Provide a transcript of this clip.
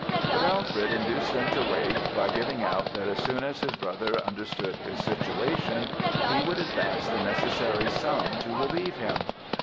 But Alfred induced them to wait, by giving out that as soon as his brother understood his situation, he would advance the necessary sum to relieve him.